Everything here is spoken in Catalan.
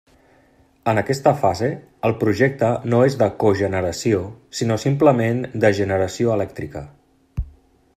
En aquesta fase, el Projecte no és de cogeneració, sinó simplement de generació elèctrica.